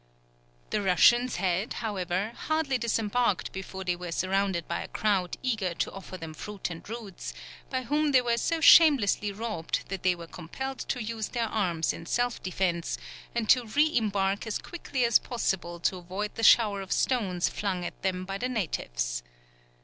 The Russians had, however, hardly disembarked before they were surrounded by a crowd eager to offer them fruit and roots, by whom they were so shamelessly robbed that they were compelled to use their arms in self defence, and to re embark as quickly as possible to avoid the shower of stones flung at them by the natives.